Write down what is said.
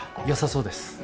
良さそうです。